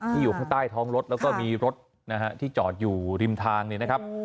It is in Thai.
อยู่ข้างใต้ท้องรถแล้วก็มีรถนะฮะที่จอดอยู่ริมทางเนี่ยนะครับ